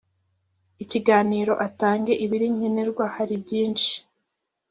ikiganiro atange ibiri nkenerwa hari byinshi